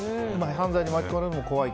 犯罪に巻き込まれるのも怖い。